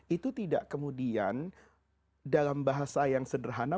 itu tidak kemudian dalam bahasa yang sederhana